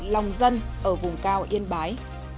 lòng dân ở vùng cao yên bái